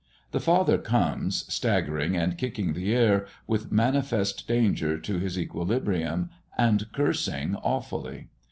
The father comes, staggering and kicking the air, with manifest danger to his equilibrium, and cursing awfully.